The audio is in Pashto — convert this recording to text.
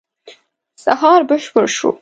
سهار بشپړ شو.